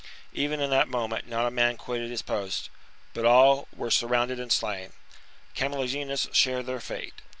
Even in that moment not a man quitted his post ; but all were surrounded and slain. Camulogenus shared their fate.